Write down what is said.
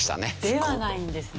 ではないんですね。